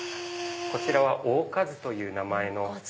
こちらは『桜花図』という名前の。